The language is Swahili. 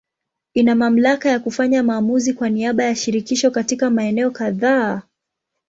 Ina mamlaka ya kufanya maamuzi kwa niaba ya Shirikisho katika maeneo kadhaa.